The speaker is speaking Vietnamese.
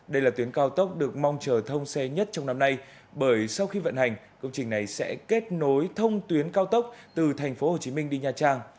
đây là tuyến cao tốc được mong chờ thông xe nhất trong năm nay bởi sau khi vận hành công trình này sẽ kết nối thông tuyến cao tốc từ tp hcm đi nha trang